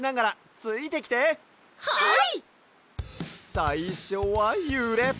さいしょはゆれて。